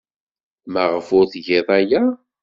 Maɣef ur tgid aya?